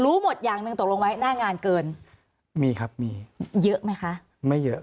รู้หมดอย่างหนึ่งตกลงไว้หน้างานเกินมีครับมีเยอะไหมคะไม่เยอะ